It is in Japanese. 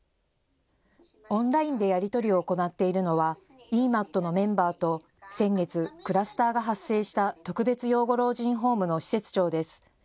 オンラインでやり取りを行っているのはｅＭＡＴのメンバーと先月、クラスターが発生した特別養護老人ホームの施設長です。